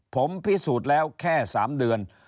ผมพิสูจน์แล้วแค่๓เดือน